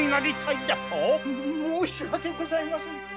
申し訳ございませぬ。